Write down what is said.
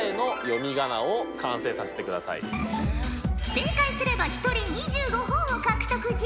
正解すれば１人２５ほぉを獲得じゃ。